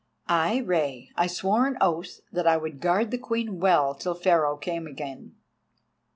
"Ay, Rei. I swore an oath that I would guard the Queen well till Pharaoh came again."